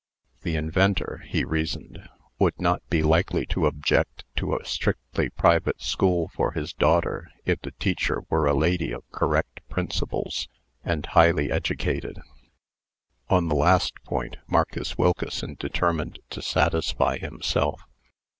The inventor (he reasoned) would not be likely to object to a strictly private school for his daughter, if the teacher were a lady of correct principles, and highly educated. Upon the last point, Marcus Wilkeson determined to satisfy himself.